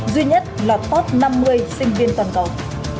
duy nhất là top năm mươi sinh viên toàn cầu